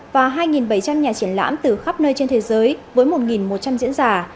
và hai bảy trăm linh nhà triển lãm từ khắp nơi trên thế giới với một một trăm linh diễn giả